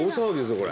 これ。